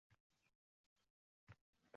Nimani xoxlasangiz shuni yozing